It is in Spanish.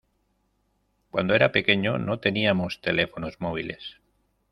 Cuando era pequeño no teníamos teléfonos móviles.